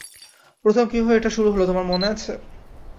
প্রথম কীভাবে এটা শুরু হল তোমার মনে আছে?